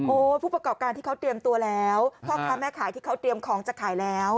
ผู้ประกอบการที่เขาเตรียมตัวแล้วพ่อค้าแม่ขายที่เขาเตรียมของจะขายแล้ว